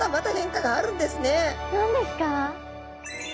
何ですか？